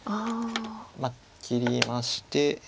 まあ切りまして。